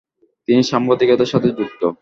তিনি সাংবাদিকতার সাথে যুক্ত।